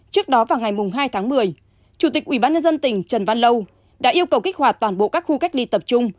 trước đó vào ngày hai tháng một mươi chủ tịch ubnd tỉnh trần văn lâu đã yêu cầu kích hoạt toàn bộ các khu cách ly tập trung